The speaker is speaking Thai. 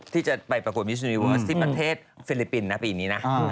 ที่จะไปประกวดมิสยูนิเวิร์สที่ประเทศฟิลิปปินส์นะปีนี้นะ